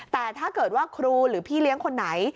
แต่ถ้าเกิดว่าครูหรือพี่เลี้ยงคนไหน